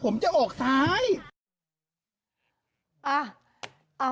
ผมจะปากอะไรผมจะออกซ้าย